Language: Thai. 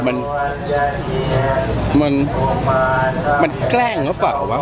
มันมันแกล้งหรือเปล่าวะ